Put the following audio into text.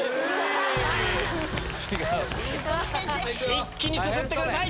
一気にすすってください。